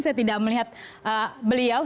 saya tidak melihat beliau